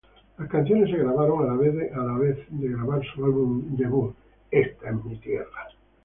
Las canciones se grabaron a la vez de grabar su álbum debut "Copper Blue".